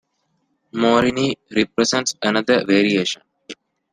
"Morini" represents another variation.